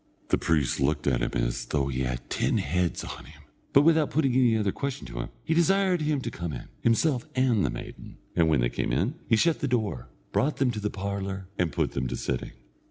The priest looked at him as though he had ten heads on him; but without putting any other question to him, he desired him to come in, himself and the maiden, and when they came in, he shut the door, brought them into the parlour, and put them sitting.